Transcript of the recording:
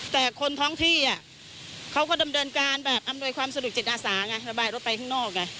แต่คนท้องที่เขาก็ดำเนินการแบบอำนวยความสะดวกจิตอาสาไงระบายรถไปข้างนอกไง